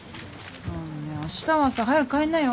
あしたはさ早く帰りなよ。